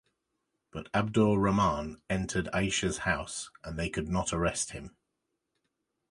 But 'Abdur Rahman entered 'Aisha's house and they could not arrest him.